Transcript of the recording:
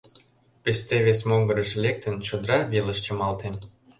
Песте вес могырыш лектын, чодыра велыш чымалте.